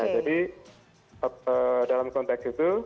jadi dalam konteks itu